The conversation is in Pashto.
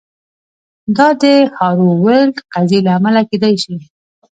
دا د هارو ویلډ قضیې له امله کیدای شي